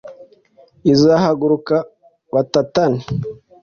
izahaguruka batatane